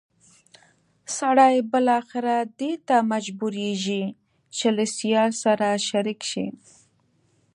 سړی بالاخره دې ته مجبورېږي چې له سیال سره شریک شي.